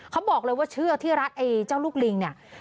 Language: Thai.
เขาบอกเลยว่าเชือกที่รัดไอ้เจ้าลูกลิงเนี่ย